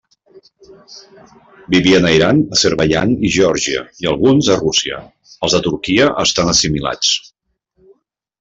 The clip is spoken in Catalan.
Vivien a Iran, Azerbaidjan i Geòrgia i alguns a Rússia; els de Turquia estan assimilats.